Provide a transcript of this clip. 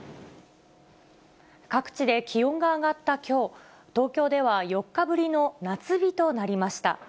各地で気温が上がったきょう、東京では４日ぶりの夏日となりました。